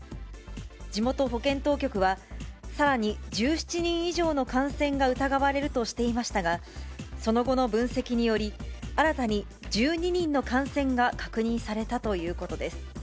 地元保健当局は、さらに１７人以上の感染が疑われるとしていましたが、その後の分析により、新たに１２人の感染が確認されたということです。